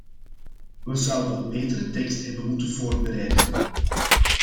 We zouden een betere tekst hebben moeten voorbereiden.